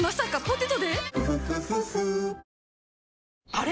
あれ？